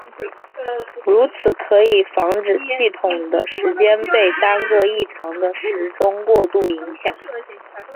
如此可以防止系统的时间被单个异常的时钟过度影响。